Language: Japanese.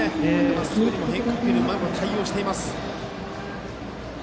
まっすぐにも変化球にもうまく対応しています。